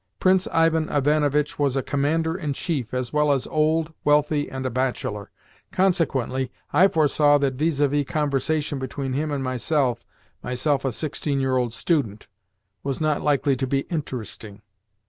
Prince Ivan Ivanovitch was a commander in chief, as well as old, wealthy, and a bachelor. Consequently, I foresaw that vis a vis conversation between him and myself myself a sixteen year old student! was not likely to be interesting.